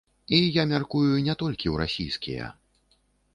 І, я мяркую, не толькі ў расійскія.